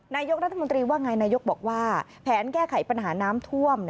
นายกรัฐมนตรีว่าไงนายกบอกว่าแผนแก้ไขปัญหาน้ำท่วม